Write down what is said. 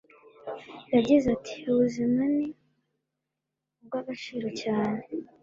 yagize ati ubuzima ni ubw'agaciro cyane